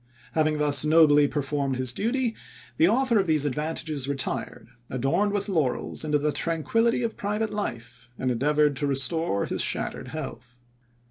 Having thus nobly performed his duty, the author of these advantages retired, adorned with laurels, into the tranquillity of private life, and endeavoured to restore his shattered health.